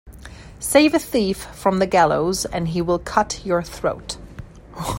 Save a thief from the gallows and he will cut your throat.